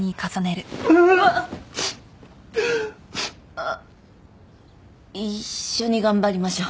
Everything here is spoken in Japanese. あっ一緒に頑張りましょう。